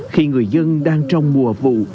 khi người dân đang trong mùa vụ